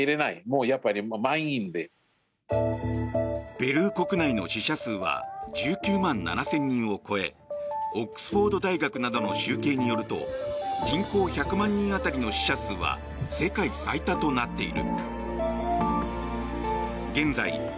ペルー国内の死者数は１９万７０００人を超えオックスフォード大学などの集計によると人口１００万人当たりの死者数は世界最多となっている。